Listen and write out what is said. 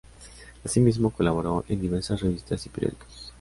Así mismo colaboró en diversas revistas y periódicos.